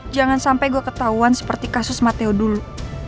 jangan sampai gue ketahuan seperti kasus mateo dulu